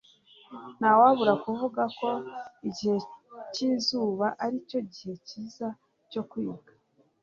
ntawabura kuvuga ko igihe cyizuba aricyo gihe cyiza cyo kwiga